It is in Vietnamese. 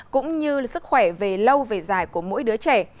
cũng như sức khỏe về lâu về dài của mỗi đứa trẻ